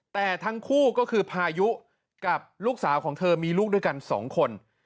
แต่ทั้งคู่ก็คือพายุกับลูกสาวของเธอมีลูกด้วยกัน๒คน